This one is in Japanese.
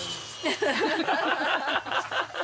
ハハハハ！